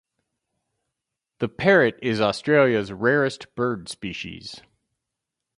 The parrot is Australia's rarest bird species.